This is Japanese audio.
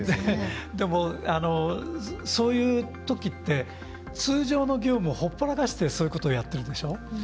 でも、そういうときって通常の業務をほっぽらかしてそういうこと、やってるでしょ。